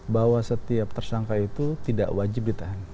bahwa setiap tersangka itu tidak wajib ditahan